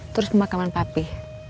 terus pemakaman papi